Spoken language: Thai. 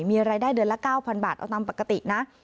มีรายได้เดือนละ๙๐๐บาทเอาตามปกตินะ